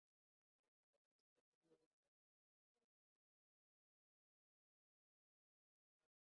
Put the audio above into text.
Aghalabu kazi za fasihi hasahasa Fasihi Simulizi huambatanishwa na desturi mbalimbali za jamii husika.